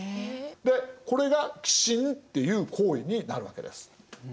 でこれが寄進っていう行為になるわけです。